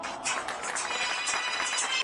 د دولتونو ترمنځ د دوستۍ فضا د امن لپاره مهمه ده.